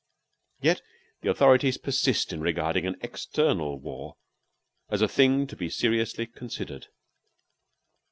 Yet the authorities persist in regarding an external war as a thing to be seriously considered.